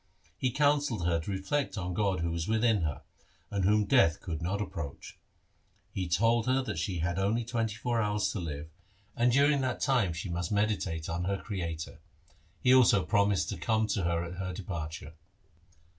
He counselled her to reflect on God who was within her, and whom death could not approach. He told her that she had only twenty four hours to live, and during that time LIFE OF GURU HAR GOBIND 97 she must meditate on her Creator. He also pro mised to come to her at her departure.